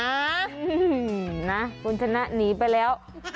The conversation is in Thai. นะคุณชนะหนีไปแล้ว